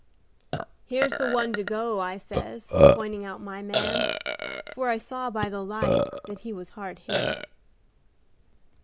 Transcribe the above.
"'Here's the one to go,' I says, pointin' out my man, for I saw by the light that he was hard hit.